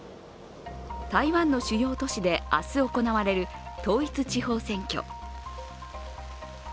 台湾の主要都市で明日、行われる統一地方選挙。